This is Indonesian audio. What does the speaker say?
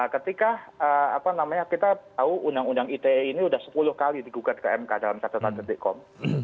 ketika kita tahu undang undang ite ini sudah sepuluh kali digugat ke mk dalam kata kata detik com